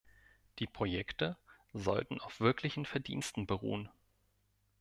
Die Projekte sollten auf wirklichen Verdiensten beruhen.